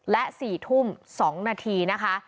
และ๔ทุ่ม๒นาทีนะคะ